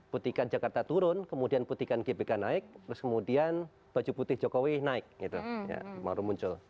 putihkan jakarta turun kemudian putihkan gbk naik terus kemudian baju putih jokowi naik gitu ya baru muncul